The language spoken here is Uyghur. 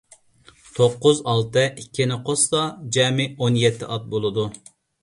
توققۇز، ئالتە، ئىككىنى قوشسا جەمئىي ئون يەتتە ئات بولىدۇ.